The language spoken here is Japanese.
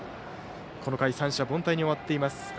この回三者凡退に終わっています。